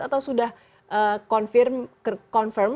atau sudah confirm